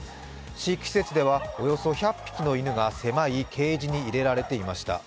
飼育施設ではおよそ１００匹の犬が狭いケージに入れられていました。